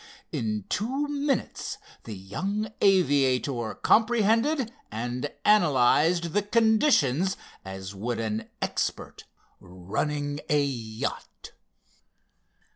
In two minutes the young aviator comprehended, and analyzed, the conditions as would an expert running a yacht.